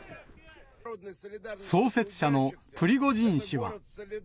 創設者のプリゴジン氏は。